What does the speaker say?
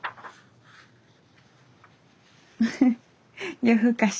フフッ夜ふかし。